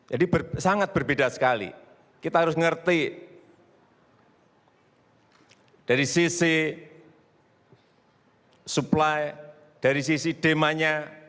jadi sangat berbeda sekali kita harus ngerti dari sisi supply dari sisi demanya